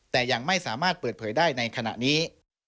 แต่ยังไม่สามารถเปิดเผยได้ในขณะนี้